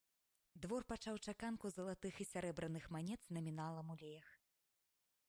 Двор пачаў чаканку залатых і сярэбраных манет з наміналам у леях.